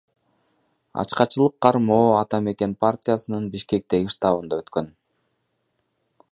Ачкачылык кармоо Ата мекен партиясынын Бишкектеги штабында өткөн.